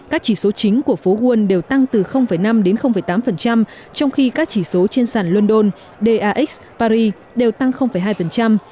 các chỉ số chính của phố nguồn đều tăng từ năm đến tám phần trăm trong khi các chỉ số trên sàn london dax paris đều tăng hai phần trăm